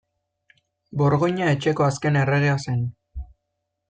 Borgoina Etxeko azken erregea zen.